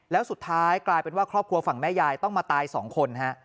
แล้วสุดท้ายกลายเป็นว่าครอบครัวฝั่งแม่ยายต้องมาตายสองคนฮะ